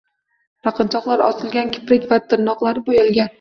Taqinchoqlar osilgan, kiprik va tirnoqlari bo‘yalgan